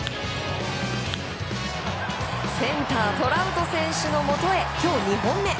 センター、トラウト選手のもとへ今日２本目。